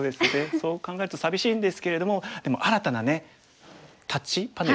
そう考えると寂しいんですけれどもでも新たねタッチパネル。